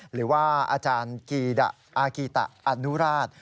หรือว่าอาจารย์กีดะอากีตะอนุราช